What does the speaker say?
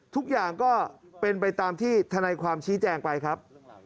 ทุกอย่างก็เป็นไปตามที่ธนายความชี้แจงไปครับ